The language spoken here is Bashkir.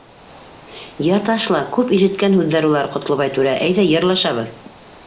— Йә, ташла, күп ишеткән һүҙҙәр улар, Ҡотлобай түрә, әйҙә йырлашабыҙ.